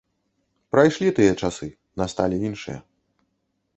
Прайшлі тыя часы, насталі іншыя.